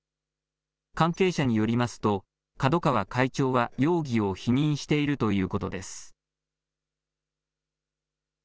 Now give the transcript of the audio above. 関係者によりますと、角川会長は容疑を否認しているということです。